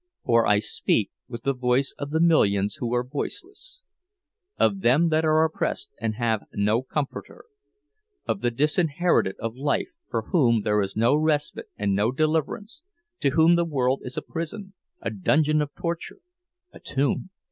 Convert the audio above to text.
For I speak with the voice of the millions who are voiceless! Of them that are oppressed and have no comforter! Of the disinherited of life, for whom there is no respite and no deliverance, to whom the world is a prison, a dungeon of torture, a tomb!